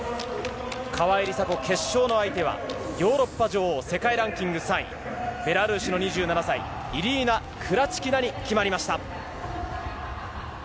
川井梨紗子、決勝の相手は、ヨーロッパ女王、世界ランキング３位、ベラルーシの２７歳、イリーナ・クラチキナに決まりました。